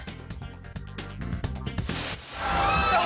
หน้าสดไม่ตกใจค่ะ